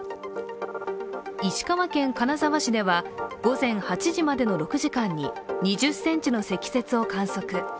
石川県金沢市では午前８時までの６時間に２０ｃｍの積雪を観測。